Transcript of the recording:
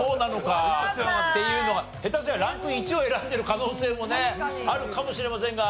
下手したらランク１を選んでる可能性もねあるかもしれませんが。